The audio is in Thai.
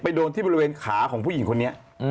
โดนที่บริเวณขาของผู้หญิงคนนี้